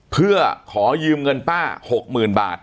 เพื่อขอยืมเงินป้า๖๐๐๐บาท